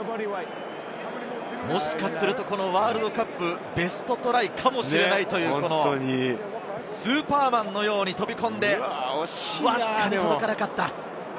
もしかするとワールドカップベストトライかもしれないという、スーパーマンのように飛び込んで、わずかに届かなかった。